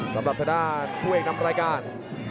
สำหรับทางด้านผู้เอกนำรายการ